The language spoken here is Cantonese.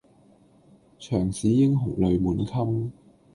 長使英雄淚滿襟